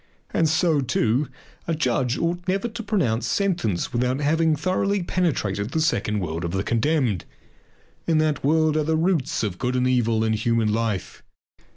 And so, too, a judge ought never to pronounce sentence without first having thoroughly penetrated the second world of the condemned. In that world are the roots of good and evil in human life.